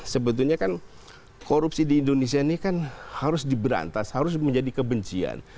sebetulnya kan korupsi di indonesia ini kan harus diberantas harus menjadi kebencian